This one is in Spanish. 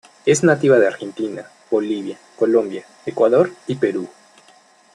Es nativa de Argentina, Bolivia, Colombia, Ecuador y Perú.